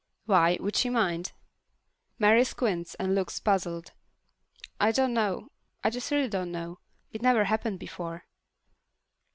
"Why, would she mind?" Mary squints and looks puzzled. "I don't know. I just really don't know. It never happened before."